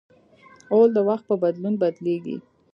غول د وخت په بدلون بدلېږي.